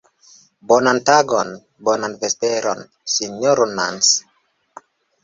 Bonan tagon, bonan vesperon, Sinjoro Nans!